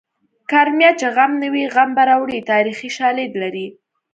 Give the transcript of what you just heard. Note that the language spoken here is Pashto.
کرمیه چې غم نه وي غم به راوړې تاریخي شالید لري